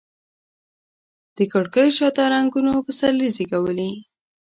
د کړکېو شاته رنګونو پسرلي زیږولي